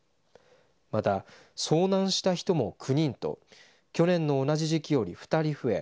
また、遭難した人も９人と去年の同じ時期より２人増え